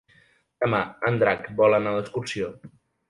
Demà en Drac vol anar d'excursió.